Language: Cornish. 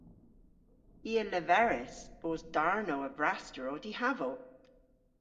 I a leveris bos darnow a vrasterow dihaval.